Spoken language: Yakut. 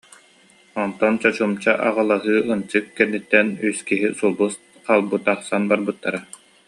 Онтон чочумча аҕылаһыы, ынчык кэнниттэн үс киһи сулбу-халбы тахсан барбыттар